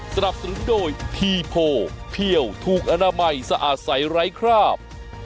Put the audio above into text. สนับสนุนโดยทีโพเพี่ยวถูกอนามัยสะอาดใสไร้คราบ